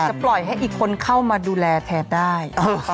ปล่อยให้อีกคนเข้ามาดูแลแทนได้